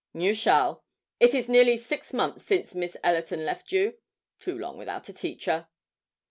'You shall. It is nearly six months since Miss Ellerton left you too long without a teacher.'